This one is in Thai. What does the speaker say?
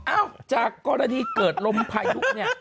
เอ้าจากกรณีเกิดลมพายุเนี่ย